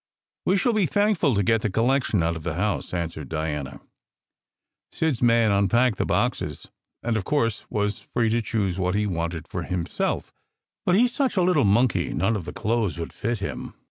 "We shall be thankful to get the collection out of the house," an swered Diana. "Sid s man unpacked the boxes and, of course, was free to choose what he wanted for himself, but he s such a little monkey, none of the clothes would fit him.